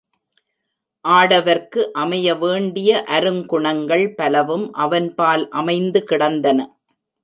ஆடவர்க்கு அமைய வேண்டிய அருங்குணங்கள் பலவும் அவன்பால் அமைந்து கிடந்தன.